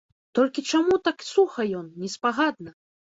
Толькі чаму так суха ён, неспагадна?